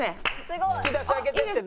「引き出し開けていって。